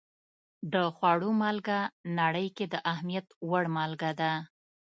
د خوړو مالګه نړۍ کې د اهمیت وړ مالګه ده.